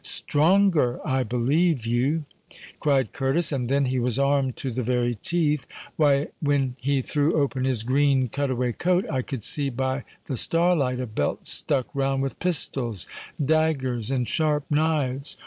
"Stronger! I believe you," cried Curtis. "And then he was armed to the very teeth. Why, when he threw open his green cut away coat, I could see by the starlight a belt stuck round with pistols, daggers, and sharp knives.